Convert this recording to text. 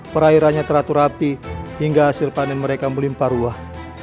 perairannya teratur rapi hingga hasil panen mereka melimpar luas